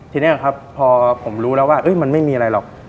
ทีนี้ครับพอผมรู้แล้วว่ามันไม่มีอะไรหรอก